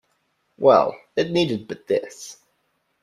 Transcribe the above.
Well, it needed but this.